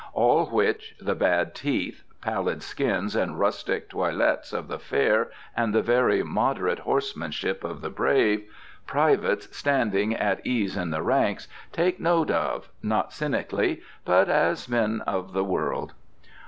All which, the bad teeth, pallid skins, and rustic toilets of the fair, and the very moderate horsemanship of the brave, privates, standing at ease in the ranks, take note of, not cynically, but as men of the world.